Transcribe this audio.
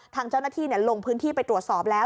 ทางเจ้าหน้าที่ลงพื้นที่ไปตรวจสอบแล้ว